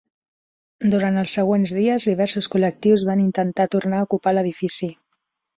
Durant els següents dies diversos col·lectius van intentar tornar a ocupar l'edifici.